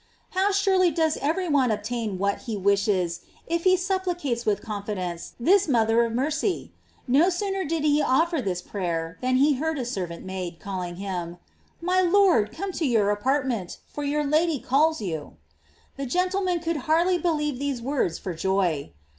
How surely does every one obtain what he wishes if he supplicates with confidence this mother of mercy! No sooner did he offer this prayer than he heard a servant maid calling him: "My lord, come to your apartment, for your lady calls you." The gentleman could hardly believe these words for joy.